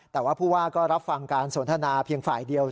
แต่ว่าผู้ว่าก็รับฟังการสนทนาเพียงฝ่ายเดียว